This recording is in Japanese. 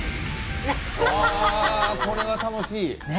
これは楽しい。